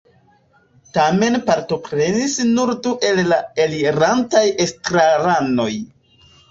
Tamen partoprenis nur du el la elirantaj estraranoj.